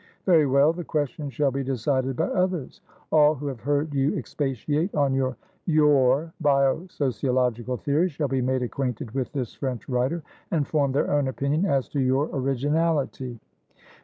Very well. The question shall be decided by others. All who have heard you expatiate on youryour 'bio sociological' theory shall be made acquainted with this French writer, and form their own opinion as to your originality."